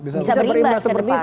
bisa berimbas ke depan